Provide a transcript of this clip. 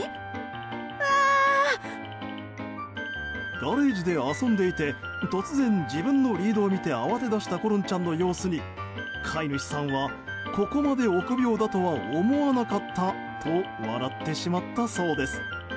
ガレージで遊んでいて突然、自分のリードを見て慌てだしたコロンちゃんの様子に飼い主さんはここまで臆病だとは思わなかったと笑ってしまったそうです。